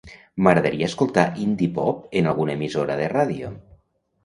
M'agradaria escoltar indie pop en alguna emissora de ràdio.